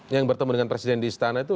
yang bertemu dengan presiden di istana itu